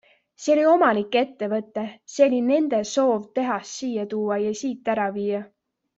See oli omanike ettevõte, see oli nende soov tehas siia tuua ja siit ära viia.